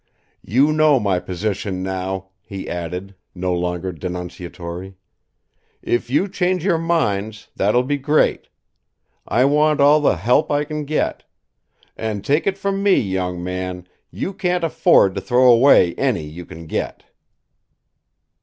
"You know my position now," he added, no longer denunciatory. "If you change your minds, that will be great! I want all the help I can get. And, take it from me, young man, you can't afford to throw away any you can get."